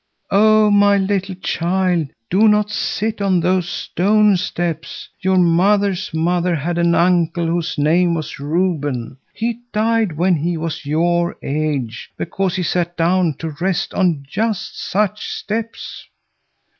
"Oh, my little child, do not sit on those stone steps! Your mother's mother had an uncle whose name was Reuben. He died when he was your age, because he sat down to rest on just such steps."